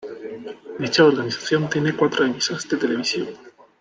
Dicha organización tiene cuatro emisoras de televisión.